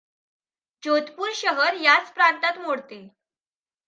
जोधपूर शहर याच प्रांतात मोडते.